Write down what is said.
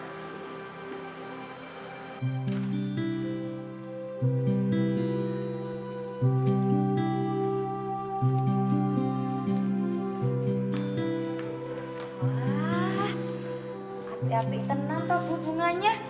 hati hati tenang tau bu bunganya